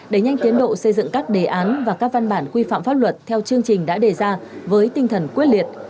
đẩy nhanh tiến độ xây dựng các đề án và các văn bản quy phạm pháp luật theo chương trình đã đề ra với tinh thần quyết liệt